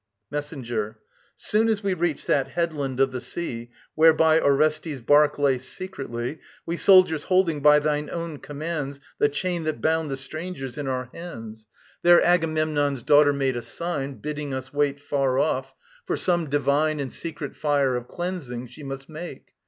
MESSENGER. Soon as we reached that headland of the sea, Whereby Orestes' barque lay secretly, We soldiers holding, by thine own commands, The chain that bound the strangers, in our hands, There Agamemnon's daughter made a sign, Bidding us wait far off, for some divine And secret fire of cleansing she must make.